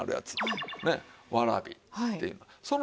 ねわらびっていうの。